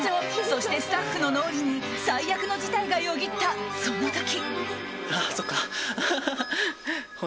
そして、スタッフの脳裏に最悪の事態がよぎった、その時。